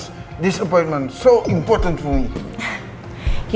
karena pertemuan ini sangat penting untuk saya